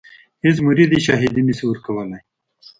هیڅ مرید یې شاهدي نه شي ورکولای.